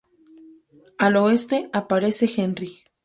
Al oeste aparece Henry.